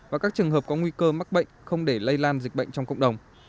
và các trường hợp có nguy cơ mắc bệnh không để lây lan dịch bệnh trong cộng đồng